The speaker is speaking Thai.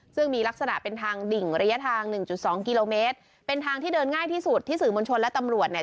ซึ่งมีลักษณะเป็นทางดิ่งระยะทางหนึ่งจุดสองกิโลเมตรเป็นทางที่เดินง่ายที่สุดที่สื่อมวลชนและตำรวจเนี่ย